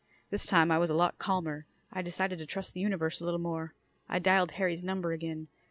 This time I was a lot calmer. I decided to trust the universe a little more. I dialed Harry's number again.